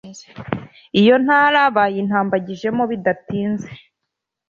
iyo ntara bayintambagiza bidatinze